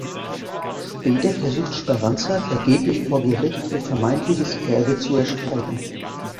Später versucht Speranza vergeblich vor Gericht ihr vermeintliches Erbe zu erstreiten.